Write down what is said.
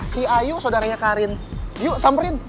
si ayu saudaranya karin yuk samperin